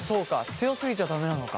強すぎちゃ駄目なのか。